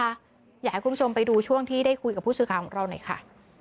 อยากให้คุณผู้ชมไปดูช่วงที่ได้คุยกับผู้สื่อข่าวของเราหน่อยค่ะ